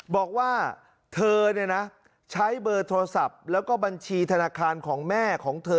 บอกว่าเธอเนี่ยนะใช้เบอร์โทรศัพท์แล้วก็บัญชีธนาคารของแม่ของเธอ